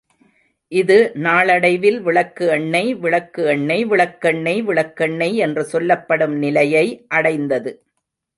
இது நாளடைவில், விளக்கு எண்ணெய் விளக்கு எண்ணெய் விளக்கெண்ணெய் விளக்கெண்ணெய் என்று சொல்லப்படும் நிலையை அடைந்தது.